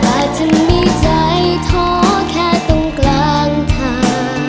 ฉันมีใจท้อแค่ตรงกลางทาง